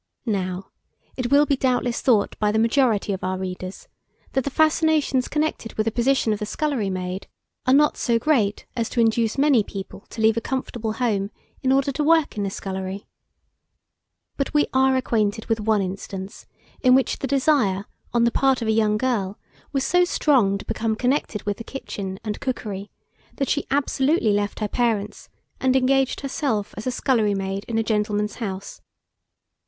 Now, it will be doubtless thought by the majority of our readers, that the fascinations connected with the position of the scullery maid, are not so great as to induce many people to leave a comfortable home in order to work in a scullery. But we are acquainted with one instance in which the desire, on the part of a young girl, was so strong to become connected with the kitchen and cookery, that she absolutely left her parents, and engaged herself as a scullery maid in a gentleman's house.